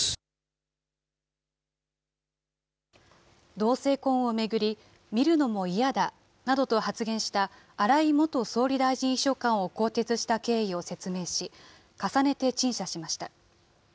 同性婚を巡り、見るのも嫌だなどと発言した、荒井元総理大臣秘書官を更迭した経緯を説明し、重ねて陳謝しました。